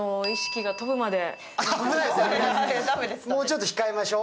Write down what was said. もうちょっと控えましょう。